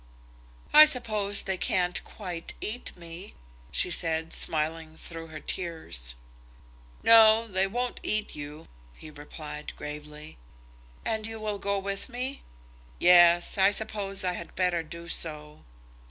"I suppose they can't quite eat me," she said, smiling through her tears. "No; they won't eat you," he replied gravely. "And you will go with me?" "Yes; I suppose I had better do so."